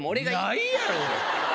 ないやろ！